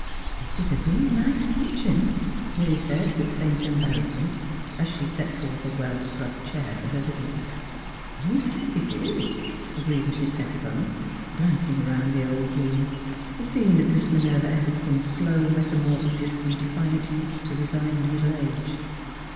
" This is a real nice kitchen," Milly said, with faint embarrassment, as she set forth a well scrubbed chair for her visitor. " Yes; it is," agreed Mrs. Pettibone, glancing around the old room, the scene of Miss Minerva Eggleston's slow metamorphosis from defiant youth to resigned middle age.